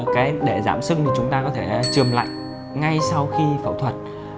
cái để giảm sưng thì chúng ta có thể chườm lạnh ngay sau khi phẫu thuật